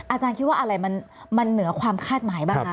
อาจารย์คิดว่าอะไรมันเหนือความคาดหมายบ้างคะ